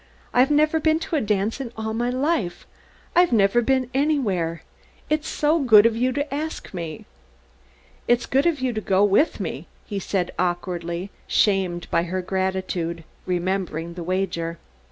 I've never been to a dance in all my life. I've never been anywhere. It's so good of you to ask me!" "It's good of you to go with me," he said awkwardly, shamed by her gratitude, remembering the wager.